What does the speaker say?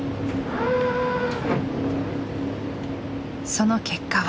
その結果は。